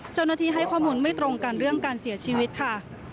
เจ้าหน้าที่ให้ข้อมูลไม่ตรงกันเรื่องการเสียชีวิตค่ะ